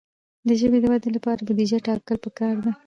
د ژبې د ودې لپاره بودیجه ټاکل پکار ده.